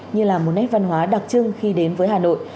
như là một nét văn hóa đặc trưng khi đến với hà nội